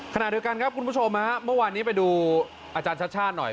ขณะเดียวกันครับคุณผู้ชมฮะเมื่อวานนี้ไปดูอาจารย์ชัดชาติหน่อย